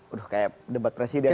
udah kayak debat presiden